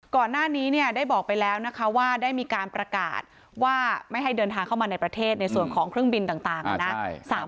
ก่อนหน้านี้เนี่ยได้บอกไปแล้วนะคะว่าได้มีการประกาศว่าไม่ให้เดินทางเข้ามาในประเทศในส่วนของเครื่องบินต่างนะ